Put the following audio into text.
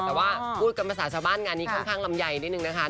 แต่ว่าพูดกันภาษาชาวบ้านงานนี้ค่อนข้างลำไยนิดนึงนะคะ